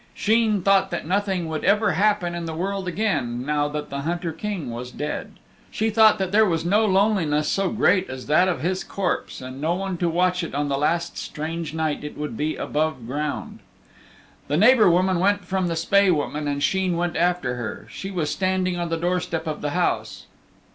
Sheen thought that nothing would ever happen in the world again, now that the Hunter King was dead. She thought that there was no loneliness so great as that of his corpse with no one to watch it on the last strange night it would be above ground. The neighbor woman went from the Spae Woman and Sheen went after her. She was standing on the door step of her house.